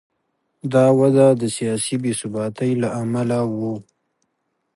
دا وده د سیاسي بې ثباتۍ له امله و.